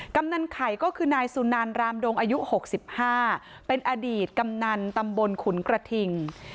กำนันไข่ก็คือนายสุนันรามดงอายุ๖๕เป็นอดีตกำนันตำบลขุนกระทิง